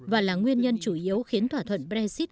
và là nguyên nhân chủ yếu khiến thỏa thuận brexit